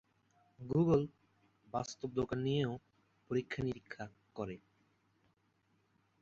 Google বাস্তব দোকান নিয়েও পরীক্ষা-নিরীক্ষা করে।